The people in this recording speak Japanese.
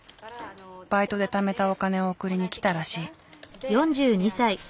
バイトでためたお金を送りに来たらしい。